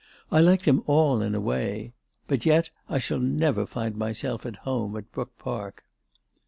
I like them all, in a way. But yet I shall never find myself at home at Brook Park."